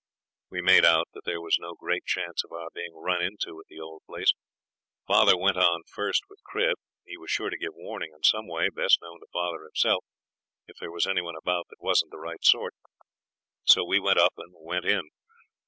We made out that there was no great chance of our being run into at the old place. Father went on first with Crib. He was sure to give warning in some way, best known to father himself, if there was any one about that wasn't the right sort. So we went up and went in.